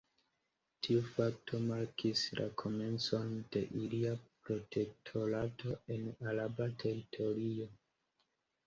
Tiu fakto markis la komencon de ilia protektorato en araba teritorio.